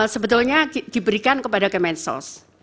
sebetulnya diberikan kepada kemensos